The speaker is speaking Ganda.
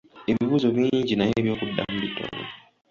Ebibuuzo bingi naye eby'okuddamu bitono.